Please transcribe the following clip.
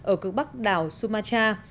ở cực bắc đảo sumatra